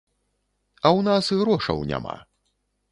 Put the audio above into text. А ў нас грошаў няма.